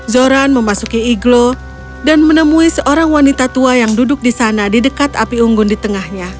zoran memasuki iglo dan menemui seorang wanita tua yang duduk di sana di dekat api unggun di tengahnya